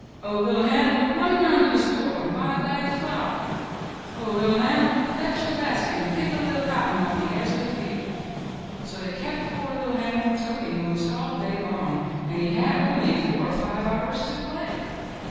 '*0h, Li'r Hannibal, run 'round to the store and buy a bag of flour." '*0h, LVV Hannibal, fetch your basket and pick a li'r cotton off the edge of the field." So they kept poor little Hannibal toting 'most all day long, and he had only four or five hours to play.